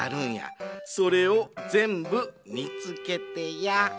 それをぜんぶみつけてや。